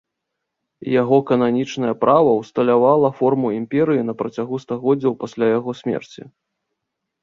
Яго кананічнае права ўсталявала форму імперыі на працягу стагоддзяў пасля яго смерці.